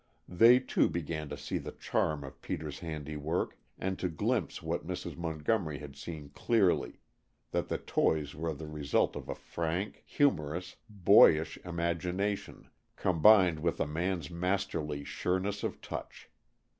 They, too, began to see the charm of Peter's handiwork and to glimpse what Mrs. Montgomery had seen clearly: that the toys were the result of a frank, humorous, boyish imagination combined with a man's masterly sureness of touch.